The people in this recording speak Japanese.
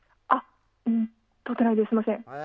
撮ってないです、すみません。